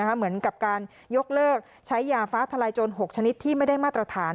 เหมือนกับการยกเลิกใช้ยาฟ้าทลายโจร๖ชนิดที่ไม่ได้มาตรฐาน